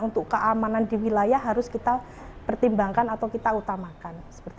untuk keamanan di wilayah harus kita pertimbangkan atau kita utamakan